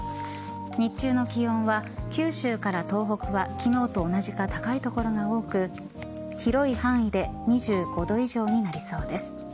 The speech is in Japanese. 日中の気温は九州から東北は昨日と同じか高い所が多く広い範囲で２５度以上になりそうです。